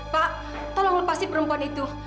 pak tolong lepasi perempuan itu